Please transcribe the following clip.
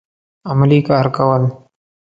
عملي کار کول